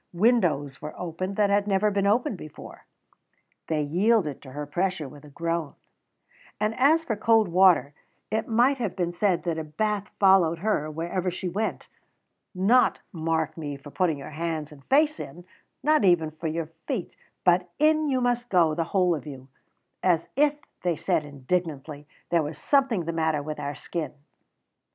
Windows were opened that had never been opened before (they yielded to her pressure with a groan); and as for cold water, it might have been said that a bath followed her wherever she went not, mark me, for putting your hands and face in, not even for your feet; but in you must go, the whole of you, "as if," they said indignantly, "there was something the matter with our skin."